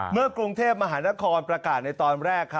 เมื่อกรุงเทพมหานครประกาศในตอนแรก